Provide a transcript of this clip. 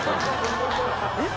「えっ？」